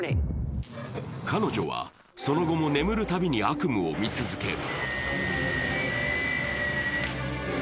彼女はその後も眠るたびに悪夢を見続ける。